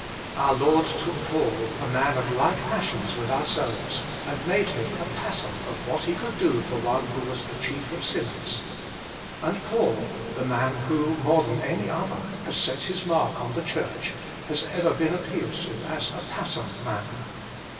Our Lord took Paul, a man of like passions with ourselves, and made him a pattern of what he could do for one who was the chief of sinners. And Paul, the man who, more than any other, has set his mark on the Church, has ever been appealed to as a pattern man.